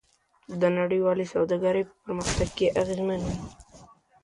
دا نړیوالې سوداګرۍ په پرمختګ کې اغیزمن وي.